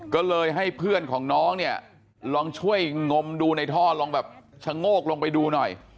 ก็เลยให้เพื่อนของน้องเนี่ยลองช่วยงมดูในท่อลองแบบชะโงกลงไปดูหน่อย